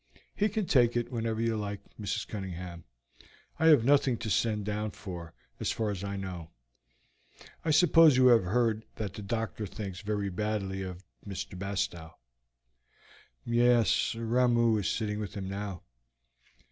"He can take it whenever, you like, Mrs. Cunningham. I have nothing to send down for, as far as I know. I suppose you have heard that the doctor thinks very badly of Mr. Bastow?" "Yes. Ramoo is sitting with him now."